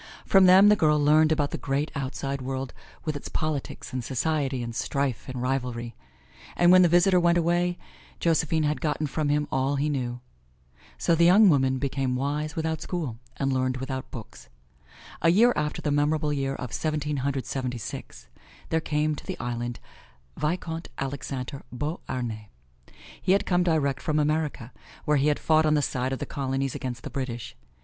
From them the girl learned about the great, outside world with its politics and society and strife and rivalry; and when the visitor went away Josephine had gotten from him all he knew. So the young woman became wise without school and learned without books. A year after the memorable year of Seventeen Hundred Seventy six, there came to the island, Vicomte Alexander Beauharnais. He had come direct from America, where he had fought on the side of the Colonies against the British.